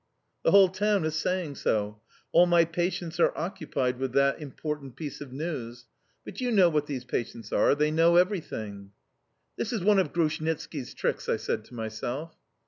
"The whole town is saying so. All my patients are occupied with that important piece of news; but you know what these patients are: they know everything." "This is one of Grushnitski's tricks," I said to myself.